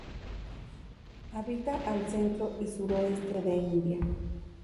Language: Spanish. Habita al centro y suroeste de India.